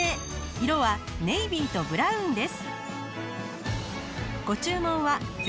色はネイビーとブラウンです。